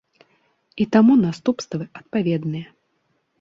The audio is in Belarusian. І таму наступствы адпаведныя.